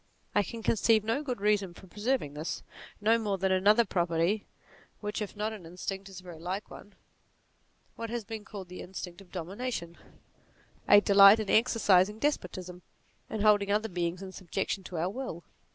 I can conceive no good reason for preserving this, no more than another propensity which if not an instinct NATURE 57 is very like one, what has been called the instinct of domination ; a delight in exercising despotism, in holding other beings in subjection to our will.